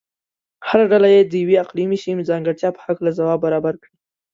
هره ډله دې د یوې اقلیمي سیمې ځانګړتیا په هلکه ځواب برابر کړي.